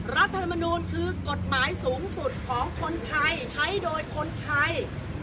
รัฐธรรมนูลคือกฎหมายสูงสุดของคนไทยใช้โดยคนไทย